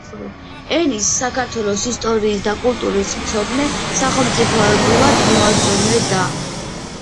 ენის, საქართველოს ისტორიის და კულტურის მცოდნე, სახელმწიფოებრივად მოაზროვნე და